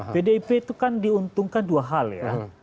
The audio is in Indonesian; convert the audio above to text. pdip itu kan diuntungkan dua hal ya